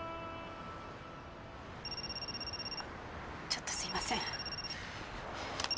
ちょっとすいません。